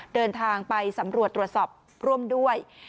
เดินทางไปสำรวจตรวจสอบร่วมด้วย